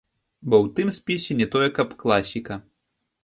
Бо ў тым спісе не тое, каб класіка.